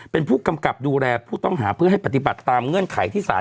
เป็นผู้กำกับดูแลผู้ต้องหาเพื่อให้ปฏิบัติตามเงื่อนไขที่สาร